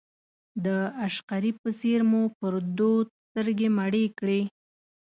د عشقري په څېر مو پر دود سترګې مړې کړې.